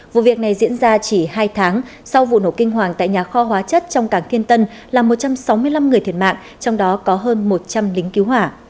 vụ việc này diễn ra chỉ hai tháng sau vụ nổ kinh hoàng tại nhà kho hóa chất trong cảng kiên tân làm một trăm sáu mươi năm người thiệt mạng trong đó có hơn một trăm linh lính cứu hỏa